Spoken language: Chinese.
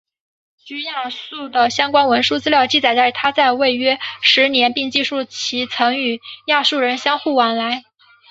据亚述的相关文书资料记载他在位约十年并记述其曾与亚述人相互往来。